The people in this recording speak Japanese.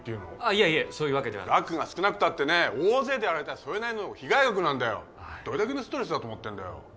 いえいえそういうわけでは額が少なくたってね大勢でやられたらそれなりの被害額なんだよどれだけのストレスだと思ってんだよ